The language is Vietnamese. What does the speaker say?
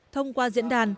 thông qua diễn đàn